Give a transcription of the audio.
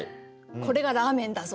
「これがラーメンだぞ！」